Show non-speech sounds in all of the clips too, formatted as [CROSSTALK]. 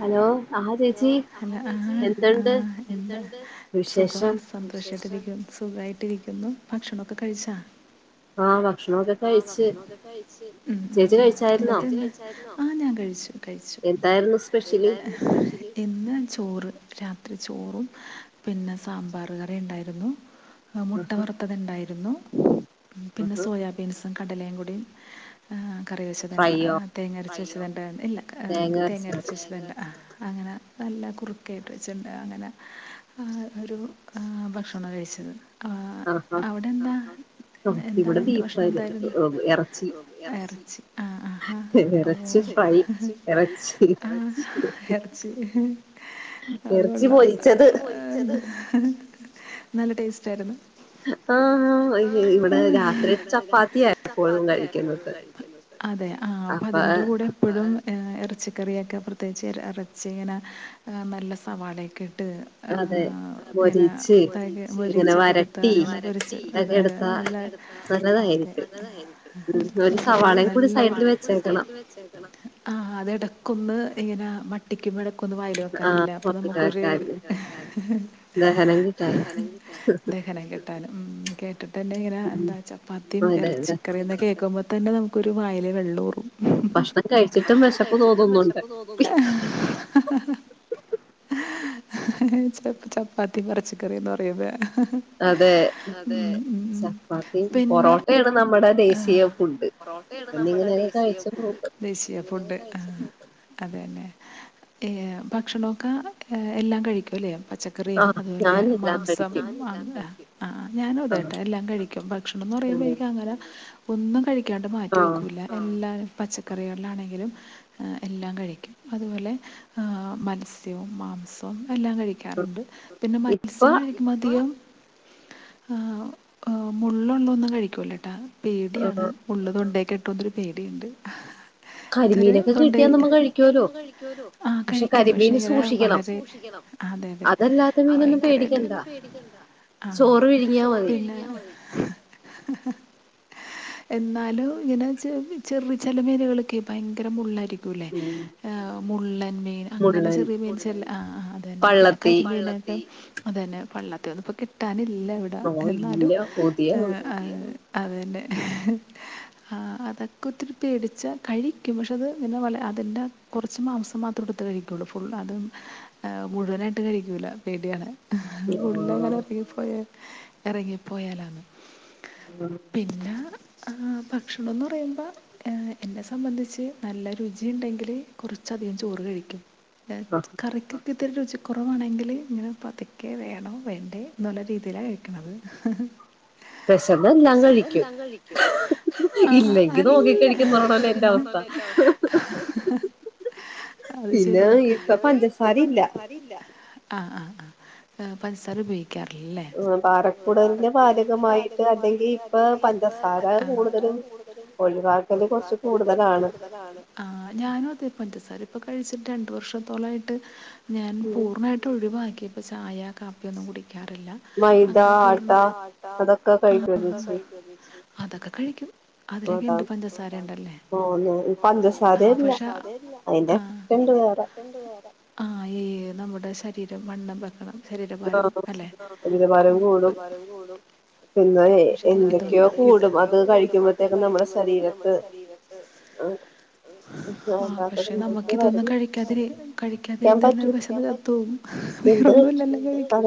Hello ആഹ് ആഹ് സുഖം സന്തോഷായിട്ടിരിക്കുന്നു സുഖായിട്ടിരിക്കുന്നു ഭക്ഷണൊക്കെ കഴിച്ചാ ആ ഭ ആഹ് ഭക്ഷണൊക്കെ കഴിച്ചു ആഹ് ഞാൻ കഴിച്ചു കഴിച്ചു ഇന്ന് ചോറ് രാത്രി ചോറും പിന്നെ സാമ്പാറു കറിയുണ്ടായിരുന്നു ആ മുട്ട വറുത്തതുണ്ടായിരുന്നു. പിന്നെ സോയാ കടലെയും കൂടി കറി വെച്ചതന്നെ ആഹ് തേങ്ങ അരച്ച് വെച്ചത് ട്ടാണ്ട് ഇല്ല അത് തേങ്ങരച്ച് വച്ചതല്ല. അങ്ങനെ നല്ല കുറുക്കേയിട്ട് വെച്ചിണ്ട്. അങ്ങനെ ഒരു ഏഹ് ഭക്ഷണം കഴിച്ചത് ആഹാ നമ്മക്കിവടെ ബീഫ്ഫ് എന്തായിരുന്നു? ഇറച്ചി ആഹ് ആഹ് ഓഹ് ആഹ് ഇറച്ചി അതുകൊള്ളാം [UNINTELLIGIBLE] നല്ല ടേസ്റ്റ് ആയിരുന്നു? ആഹ് ഇവിടെ രാത്രി ച രാത്രി ചപ്പാത്തിയാ എപ്പോഴും കഴിക്കുന്നത്. അതേ അതിന്റെ കൂടെ എപ്പഴും ഏഹ് എറച്ചിക്കറിയൊക്കെ പ്രത്യേകിച്ച് ഇറച്ചി ഇങ്ങനെ നല്ല സവാളയൊക്കെ ട്ട് ഏഹ് ഇങ്ങനെ [UNINTELLIGIBLE] മൊരിയിച്ചക്ക എടുത്ത [UNINTELLIGIBLE] നല്ല അതെ. നല്ലതായിരിക്കും. ആഹ് അത്ടക്കൊന്ന് ഇങ്ങനെ മ ടിക്കിവടെ ക്കൊന്ന് വായില് വെക്കാനല്ല അപ്പൊ നമുക്കൊര് ദഹനം കി ട്ടാന ഉം കേട്ട് പന്നെങ്ങനെ അന്തായ് പത്തിം എറച്ചിക്കറീന്ന് കേക്കുമ്പോ തന്നെ നമുക്കൊരു വായില് വെള്ളൂറും ഭക്ഷണം കയ്ച്ചിട്ടും വെശപ്പ് തോന്ന് [UNINTELLIGIBLE] ച ചപ്പാത്തിം എർച്ചി കറിന്ന് പറയും മ്പേ അതെ ചപ്പാത്തിം പൊറോട്ടേണ് നമ്മ ആ പൊറോട്ടേണ് നമ്മടെ ദേശീയഫുഡ്. ദേശീയ ഫുഡ് അതേന്നെ ഏ ഭക്ഷണൊക്കെ എല്ലാം കഴിക്കുല്ലേ പച്ചക്കറിയും അതുപോലെ മാംസം ആ ഞാനും അതേട്ടോ എല്ലാം കഴിക്കും ഭക്ഷണം എന്ന് പറയുമ്പോ എനിക്ക്അങ്ങനെ ഒന്നും കഴിക് - ഴിക്കാണ്ട് മാറ്റി വെക്കൂല്ല എല്ലാരും പച്ചക്കറികൾലാണെങ്കിലും എല്ലാം കഴിക്കും അതുപോലെ മത്സ്യവും മാംസവും എല്ലാം കഴിക്കാറ്ണ്ട് പിന്നെ മത്സ്യം കഴിക്കുമ്പോൾ അധികം ആ മുള്ളുള്ളൊന്നും കഴിക്കൂല്ല ട്ടാ പേടിയാണ് മുള്ള് തൊണ്ടേകെട്ട് പ്പ അതൊരു പേടിയിണ്ട്. ഇതുവരെ തൊണ്ടേ ആ കഴിക്കും പക്ഷെ ഇങ്ങനെ വളരെ അതെ അതെ ഭയങ്കരായിട്ട് ആ പിന്നെ എന്നാലും ഇങ്ങനെ ചെവി ചെറ്ചെല മീനുകളൊക്കെ ഭയങ്കര മുള്ളായിരി ത്തൂലെ മുള്ളൻ മീൻ അങ്ങനെ ചെറിയ മീൻ ചെല ആ അ അതന്നെ പിന്നെ കരിമീനൊക്കെ അതന്നെ പള്ളത്തി ഒന്നും ഇപ്പൊ കിട്ടാൻ ഇ ഇല്ല ഇവ്ടെ എന്നാലും അതന്നെ അതൊക്കെ ഒത്തിരി പേടിച്ചാൽ കഴിക്കും പക്ഷെ അത് ഇന്ന പോലെ അതി്ന്റെ കുറച്ച് മാംസം മാത്രം എടുത്ത് കഴിക്കയുള്ളൂ ഫുൾ അതും മുഴുവനായിട്ട് കഴിക്കൂല പേടിയാണ് ഫുള്ള് അങ്ങനെ ബീഫ് [UNINTELLIGIBLE] എറങ്ങിപ്പോയാലാന്ന് ഉം ആഹ് ഭക്ഷണോന്ന് പറയ്മ്പോ എ എന്നെ സംബന്ധിച്ച് നല്ല രുചി ഇണ്ടങ്കില് കൊറച്ചധികം ചോറ് കഴിക്കും കറി ക്കൊക്കെ ഒത്തിരി രുചി കുറവാണെങ്കില് ഇങ്ങനെ പതുക്കെ വേണോ വേണ്ടേ എന്നുള്ള രീതിയിലാണ് കഴിക്കണത് വേശന്നാ ഞാൻ കഴിക്കും ഇല്ലെങ്കി നോക്കി കഴിക്കുന്ന ആണല്ലേ എന്റെ അവസ്ഥ അഹ് അത് ശെരിയാ ആഹ് ആഹ് പഞ്ചസാര ഉപയോഗിക്കാറില്ലല്ലേ ആഹ് ഞാനും അതെ പഞ്ചസാ അവരിപ്പോ കഴിച്ചിട്ട് രണ്ടു വർഷത്തോളായിട്ട് ഞാൻ പൂർണ്ണായിട്ട് ഒഴിവാ ഓക്കെ ഇപ്പോ ചായ കാപ്പിയ ഒന്നും കുടി ക്കാറില്ല അങ്ങനെ പൂർ ആഹ് ആഹ് അതൊക്കെ കഴിക്കും അതിലൊക്കെ ഇണ്ട് പഞ്ചസാര ഉണ്ടല്ലേ ആ പക്ഷെ ആഹ് ആ ഏ നമ്മുടെ ശരീരം വണ്ണം വെക്കണം ശരീരഭാരം അല്ലെ പിന്നെ എന്തൊക്കെയോ ന്തെക്കോ കൂടും അത് കഴിക്കുംമ്പോഴത്തേക്ക് നമ്മുടെ ശരീരത്ത് പക്ഷെ നമുക്കിതൊന്നും കഴിക്കാനിരുന്നാൽ വിശന്ന് ചത്ത് പോവും ഹ ഹ വേറൊന്നും ല്ലല്ലൊ കഴിക്കാൻ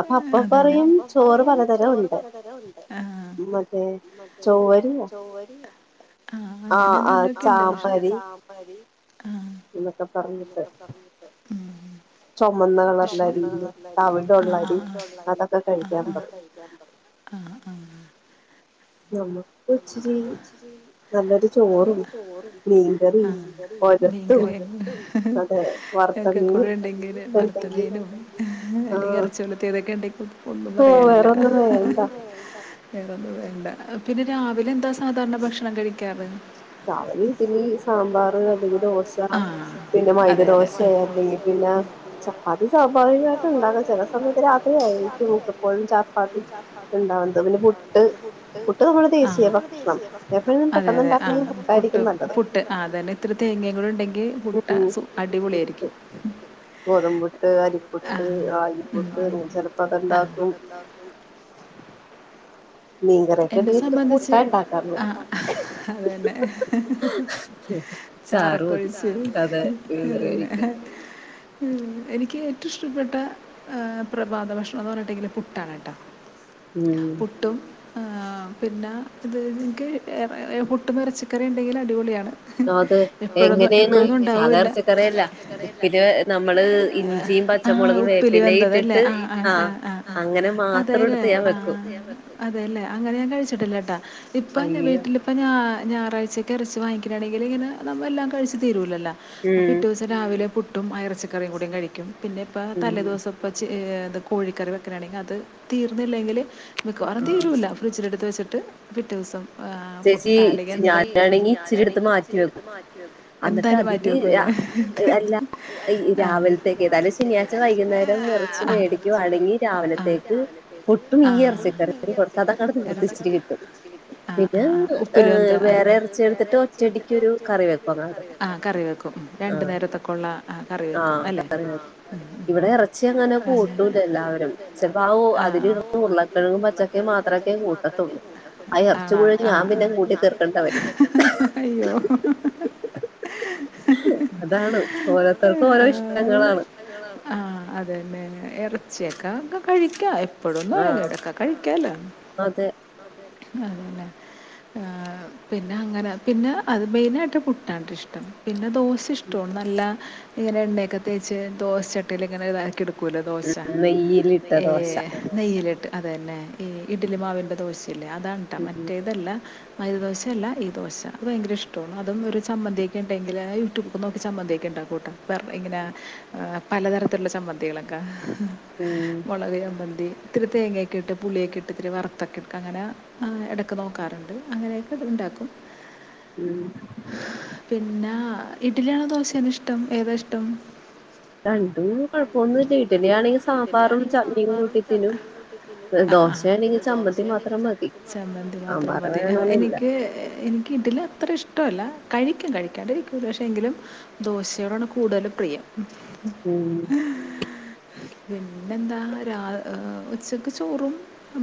അപ്പൊ അപ്പൊ പറ അമ്പപ്പാറയും ചോറ് പലതരം ഉണ്ട് മേ ചോ ആഹ അങ്ങനെ എന്താണ്ടൊക്കെ ഇണ്ട് പക്ഷ ആ ചാമരി എന്നൊക്കെ പറഞ്ഞിട്ട് ചുമന്ന കളറുളള അരി തവിട ഉള്ള അരി അതൊക്കെ ആ ആഹ ഉക്ക കഴിക്കാൻ പറയും ീങ്കറിക്കെ കൂടെ ഉണ്ടെങ്കില് ഭർത്തവേയിലും അല്ലെങ്കിൽ അറച്ചപലത്ത ഏതൊക്കെ ഉണ്ട ഒന്നും പറയാനില്ല വേറൊന്നും വേണ്ട പിന്നെ രാവിലെ എന്താ സാധാരണ ഭക്ഷണം കഴിക്കാറ് രാവിലെ ഇഡിലി സാമ്പാർ അല്ലെങ്കിൽ ദോശ പിന്നെ മൈദ ദോശ അല്ലെങ്കിൽ പിന്നെ ചപ്പാത്തി സ്വാഭാവികമായിട്ട് ഉണ്ടക ചില സമയത്ത് രാത്രി ആയിരിക്കുംപ്പോഴും ചപ്പാത്തി ഉണ്ടാാവുന്നത് പിന്നെ പുട്ട് പുട്ട് നമ്മുടെ ദേശീയ ഭക്ഷണം എപ്പോഴും പെട്ടെന്ന് ഉണ്ടാക്കണെങ്കിൽ പുട്ട് പുട്ട് അതന്നെ ഇത്ര തേങ്ങ ഉണ്ടെങ്കിൽ പുട്ട് സുഅടിപൊളിയ ആായിരിക്കും ഗോതമ്പുട്ട് അരിപ്പുട്ട് ആയിപ്പുട്ട് ചിലപ്പോ അത്ണ്ടാക്കും എന്നെ സംബന്ധിച്ച് ആഹ അതന്നെ ചാറക്കൊഴിച്ചു അതന്നെ ഹ ഉം എനിക്ക് ഏറ്റവും ഇഷ്ടപ്പെട്ട പ്രഭാത ഭക്ഷണം എന്ന് പറഞ്ഞിട്ടെങ്കില് പുട്ടാണ്ട് ട്ടാ ഉം ആപിന്നെ ഇത് നിൻക്ക് പുട്ടും ഇറച്ചിക്കറി ഉണ്ടെങ്കിൽ അടിപൊളിയാണ് അതെ എങ്ങനെയാണ് സാധാ ഇറച്ചിക്കറില്ല ഉപ്പില് നമ്മള് ഇഞ്ചിയും പച്ചമുളകും വേപ്പില ഇട്ടിട്ട് ആഹ അങ്ങനെ മാത്രം എടുത്ത് ഞാൻ വെക്കും ല്ലെ അങ്ങനെ ഞാൻ കഴിച്ചിട്ടില്ലേട്ടാ ഇപ്പ വീട്ടിലിപ്പ ഞ ഞാറായ് ച്ചക്ക് ഇറച്ച് വങ്ങിക്കണയാണെങ്കിൽ ഇങ്ങെ നമ്മ എല്ലാം കഴിച്ചച്ച് തെരൂലല്ലോ അപ്പൊ പിറ്റേ ദിവസം രാവിലെ പു ട്ടും ആറച്ചിക്കറിയും കൂടിം കഴിക്കും പിന്നെ ഇപ്പ തലേ ദിവസംപ്പച്ച്‌ ഏത്കോഴിക്കറി വെക്കാനാണെങ്കിൽ അത് തീർന്നില്ലെങ്കിൽ മിക്കവാറും തീരുല്ല ഫ്രഡ്ജിലെടുത്ത് വച്ചി് ട്ട് പിറ്റെദിവസം ആ പുട്ടാല. എന്താഞാനാണെങ്കിൽ ഇച്ചിരി എടുത്ത് മാറ്റി വെക്കും. എന്തായാലും മാറ്റി വെക്കും ലെ. ആ കൊത്താതാക്കട് തീർത്തിച്ചിരി കിട്ടും എന്ത് വേറെ എറച്ചി എടുത്തിട്ട് ഒറ്റടിക്കൊരു കറിവെപ്പങ്ങാട് ആ ആ കറി വെ ഇവിടെ എറച്ചി അങ്ങനെ കൂട്ടൂല എല്ലാവരും ചിലപ്പോ ആ ഓ അതില് ഇടുന്ന ഉരുളക്കിഴങ്ങും പച്ചക്ക ഞങ്ങള് പച്ചക്കറി മാത്രല്ലേ കൂട്ടത്തുള്ളൂ ച്ചു മുഴുവൻ ഞാൻ പിന്നെ കൂട്ടി തീർക്കണ്ട വരും ഹ് ഹ ഹ് അതാണ് ഓരോരുത്തർക്കും ഓരോ ഇഷ്ടങ്ങളാണ് ആ അതന്നെ ഇറച്ചിയൊക്കെ അങ്ങ് കഴിക്കായി ഇപ്പോഴൊന്നും അല്ല ഇടക്കൊക്കെ കഴിക്കും യ്ക്കെല്ല അതന്നെ ആ പിന്നെ അങ്ങനെ പിന്നെ അത് മെയിനായിട്ട് പുട്ടാണ് ട്ടോ ഇഷ്ടം പിന്നെ ദോശ ഇഷ്ടമാണ് നല്ല ഇങ്ങനെണ്ണയൊക്കെ തേച്ച് ദോശച്ചട്ടയില് ഇങ്ങനെ ഇതാക്കിടുക്കും കുലദോശ ഏ നെയ്യിലെടുക്കും ത് അതെന്നെ മ് ഇഡ്‌ലി മാവിൻ്റെ ദോശ ഇല്ല അതാണ് ട്ടാ മറ്റേതല്ല മൈദ ദോശ അല്ല ഈ ദോശ അത് ഭയങ്കര ഇഷ് അതും ഒരു സമ്മന്തിം ക്കെണ്ടെങ്കില് യൂട്യൂബൊക്കെ നോക്കി ചമ്മന്തി ഒക്കെ ഉണ്ടാക്കൂ ട്ടോ. [UNINTELLIGIBLE] ഇങ്ങന പലതരത്തിലുള്ള ചമ്മന്തികളൊക്കെ മുളക് ചമ്മന്തി ഇത്തിരി തേങ്ങായൊക്ക ഇട്ട് പുളിയൊക്കെ ഇട്ട് ഇത്തിരി വറുത്തൊക്കെ ഇട്ട് അങ്ങനെ ആഹ് ഇടയ്ക്ക് നോക്കാറുണ്ട് അങ്ങനെയൊക്കെ ഇണ്ടാക്കും ഉം ഇഡ്ഡലിയാണോ ദോശയാണോ ഇഷ്ടം ഏതാ ഇഷ്ടം രണ്ടും കൊഴപ്പൊന്നുല്ല ഇഡ്ഡിലിയാണെങ്കി സാമ്പാറും ചട്നിയും കൂട്ടി തിന്നും ആഹ് ആഹ് ദോശയാണെങ്കി ചമ്മന്തി മാത്രം മതി ആ എനിക്ക് എനിക്ക് ഇഡ്ഡലി അത്ര ഇഷ്ട ഇഷ്ടല്ല കഴിക്കും കഴിക്കാണ്ടിരിക്കൂല്ല പക്ഷെ എങ്കിലും ദോശയോടാണ് കൂടുതലും പ്രിയം ഉം പിന്നെന്താ രാവി ഉച്ചക്ക് ചോറും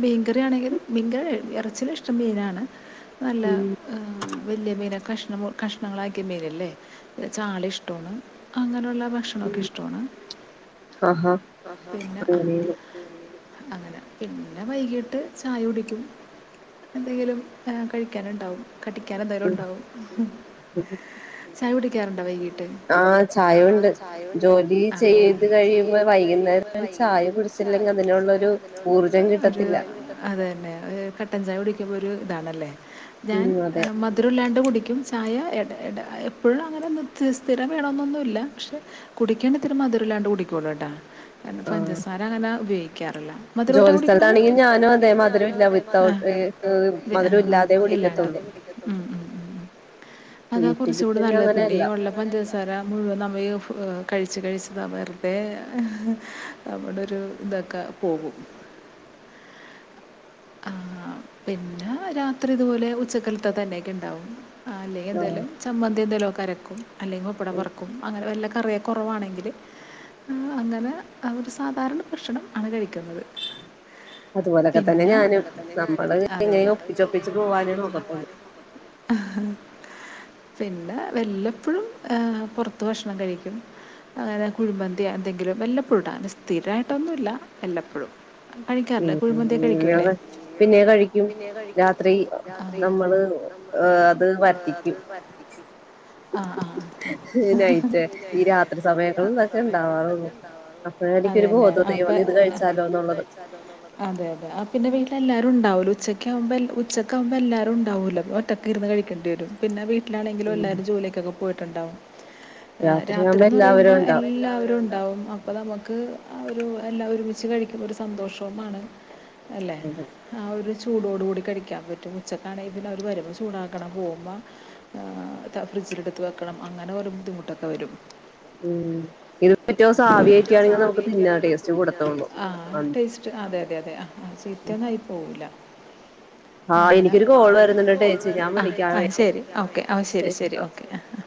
മീൻകറി ആണെങ്കിൽ മീൻകറി കഴിക്കും ഇറച്ചില് ഇഷ്ടം മീനാണ് നല്ല ആഹ് വല്ല്യ മീനൊക്കെ ഇഷ് നമ്മ കഷ്ണങ്ങളാക്കിയ മീനില്ലേ ചാള ഇഷ്ടാണ് അങ്ങനെയുള്ള ഭക്ഷണൊക്കൊ ഇഷ്ടമാണ് പിന്നെ ആഹ് അങ്ങനെ പിന്നെ വൈകിട്ട് ചായ കുടിക്കും എന്തെങ്കിലും ഏഹ് കഴിക്കാനുണ്ടാവും കടിക്കാനെന്തേലും ഉണ്ടാവും ചായകുടി കേറണ്ട വൈകി ആഹ് ചായയുണ്ട്. ജോലി ചെയ്ത് കഴിയുമ്പോ വൈകുന്നേരം ഒരു ചായ കുടിച്ചില്ലെങ്കി അതിനൊള്ളൊരു ഊ ഒരു അതേന്നെ ഒരു കട്ടൻചായ കുടിക്കു മ്പോ ഒരു ഇതാണല്ലേ ഞാൻ മധുരവില്ലാണ്ട്‌ കുടിക്കും ചായ എട എട എപ്പോഴും അങ്ങനെ സ് സ്ഥിരം വേണന്നൊന്നുമില്ല പക്ഷെ കുടിക്കേണ്ടത്തിരി മധുരല്ലാണ്ട് കുടിക്കോള്ളൂ ട്ടാ. കാരണം പഞ്ചസാര അങ്ങനെ ഉപയോഗി ക്കാറില്ല. എത്രവട്ടാ കുടിക്കണത് ആഹ് ആഹ് ആഹ് ഇല്ലാണ്ട് ഉം ഉം അതാ കൊറച്ചൂകുടി നല്ലത് പിന്നെ ഈ ഒള്ള പഞ്ചസാര മുഴുവൻ നമ്മ ഈ കഴി ച്ച് കഴിച്ച്ത വെറുതെ നമ്മുടൊരു ഇതൊക്കെ പോകും. ആഹ് പിന്നെ രാത്രി ഇതുപോലെ ഉച്ചക്കലത്തെ തന്നെയക്കെ ഉണ്ടാവു. അല്ലെങ്കി എന്തേലും ചമ്മന്തി എന്തേലും ഒ ക്കരക്കും അല്ലെങ്കിൽ ഉപ്പടംവറക്കും അങ്ങനെ വല്ല കറിയെ കുറവാണെങ്കിൽ ആ അങ്ങനെ അ ഒരു സാധാരണ ഭക്ഷണം ആണ് കഴിക്കുന്നത് പിന്നെ [UNINTELLIGIBLE] പിന്നെ വല്ലപ്പോഴും പുറത്ത് ഭക്ഷണം കഴിക്കും അങ്ങനെ കുഴിമന്തിയാ എന്തെങ്കിലും വല്ലപ്പോഴട്ടാ ങ്ങനെ സ്ഥിരയിട്ടൊന്നുല്ല വല്ലപ്പോഴും ഉം പിന്നെ കഴിക്കും രാത്രി നമ്മള് ഏ അത് വര്ത്തിക്കും നൈറ്റ് ഈ രാത്രി സമയങ്ങളിൽ ഇതൊക്കെ ഉണ്ടാവാറുള്ളു അതെ അതെ ആ പിന്നെ വീട്ടിൽ എല്ലാരും ഉണ്ടാവൂലോ ഉച്ചക്ക ആകുമ്പോ ഉച്ചക്ക ആകുമ്പോ എല്ലാവാരും ഉണ്ടാവൂല ഒറ്റക്കിരുന്ന് കഴിക്കേണ്ടി വരും പിന്നെ വീട്ടിൽ [INAUDIBLE] എല്ലരും ജോലിക്കക്കെ പോയി ട്ടണ്ടാവും രാത്രിന്ന് പറയുമ്പോ എ എല്ലാവരും ഉണ്ടാവും അപ്പൊ നമുക്ക് അ ഒരു എല്ലാം ഒരുമിച്ച് കഴിക്കുമ്പ സന്തോഷവുമാണ് അല്ലേ ആ ഒരു ചൂടോടു കൂടി കഴിക്കാൻ പറ്റും ഉച്ചക്കാണെങ്കിൽ പിന്നെ അവർ ഉം ഇത് പിറ്റേ ദിവസം ആവി കേറ്റി ആണെങ്കിൽ നമുക്ക് തിന്ന ടേസ്റ്റ് കൊടുത്തള്ളൂ ടെസ്റ്റ്‌ അതെ അതെ അതെ ആ ആ ചീത്ത ഒന്നയി പോവൂല്ലാ അഹ് ആ ആ ശരി ഓക്കെ ആ ശരി ശരി ഓക്കെ അഹ് ആഹ്